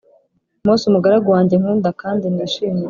Mose umugaragu wanjye nkunda Kndi nishimira